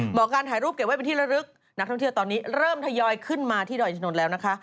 การถ่ายรูปเก็บไว้เป็นที่ระลึกนักท่องเที่ยวตอนนี้เริ่มทยอยขึ้นมาที่ดอยชะนนท์แล้วนะคะ